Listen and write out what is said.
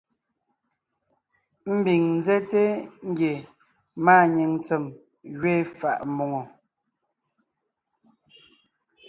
Ḿbiŋ ńzέte ngie màanyìŋ ntsém gẅiin fà’a mbòŋo.